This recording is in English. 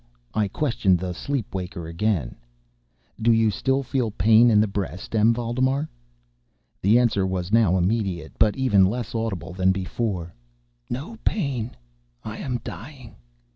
I questioned the sleep waker again: "Do you still feel pain in the breast, M. Valdemar?" The answer now was immediate, but even less audible than before: "No pain—I am dying."